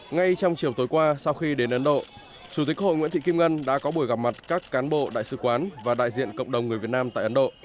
ngay trong chiều tối qua sau khi đến ấn độ chủ tịch hội nguyễn thị kim ngân đã có buổi gặp mặt các cán bộ đại sứ quán và đại diện cộng đồng người việt nam tại ấn độ